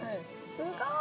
すごーい！